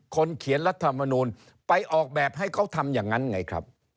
เขียนรัฐมนูลไปออกแบบให้เขาทำอย่างนั้นไงครับ